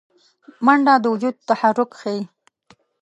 منډه د وجود تحرک ښيي